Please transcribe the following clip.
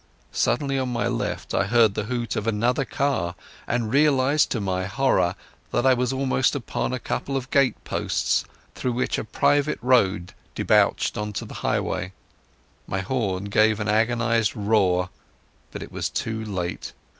Suddenly on my left I heard the hoot of another car, and realized to my horror that I was almost up on a couple of gate posts through which a private road debouched on the highway. My horn gave an agonized roar, but it was too late.